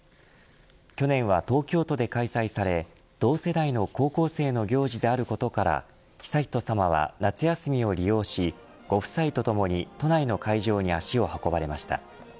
去年は東京都で開催され同世代の高校生の行事であることから悠仁さまは、夏休みを利用しご夫妻とともに都内の会場に足を運ばれました。